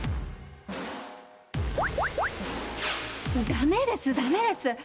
ダメですダメです！